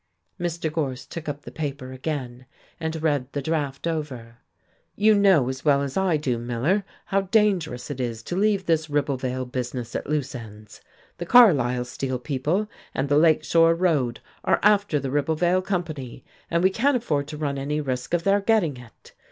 Mr. Gorse took up the paper again, and read the draft over. "You know as well as I do, Miller, how dangerous it is to leave this Ribblevale business at loose ends. The Carlisle steel people and the Lake Shore road are after the Ribblevale Company, and we can't afford to run any risk of their getting it.